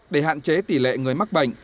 để hạn chế tỷ lệ người mắc bệnh